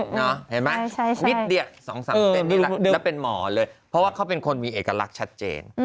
เห็นไหมนิดเดียว๒๓เต้นนี่แหละแล้วเป็นหมอเลยเพราะว่าเขาเป็นคนมีเอกลักษณ์ชัดเจน